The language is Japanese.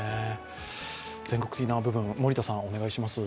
全国的な部分森田さん、お願いします。